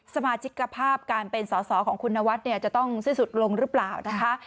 สมาชิกภาพการเป็นสอสอของคุณนวัดเนี่ยจะต้องสิ้นสุดลงหรือเปล่านะคะ